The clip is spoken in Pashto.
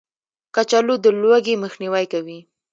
کچالو د لوږې مخنیوی کوي